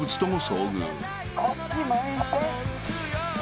こっち向いて。